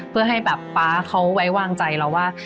เพื่อให้แบบป๊าเขาไว้วางใจเราว่า